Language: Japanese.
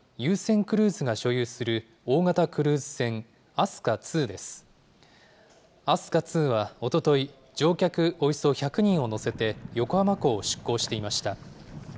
飛鳥２はおととい、乗客およそ１００人を乗せて、横浜港を出港していました。